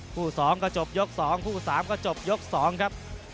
คู่๒ก็จบยก๒คู่๓ก็จบยก๒ครับ